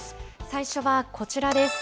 最初はこちらです。